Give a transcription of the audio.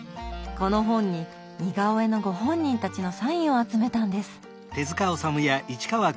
この本に似顔絵のご本人たちのサインを集めたんです。